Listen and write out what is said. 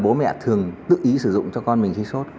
bố mẹ thường tự ý sử dụng cho con mình khi sốt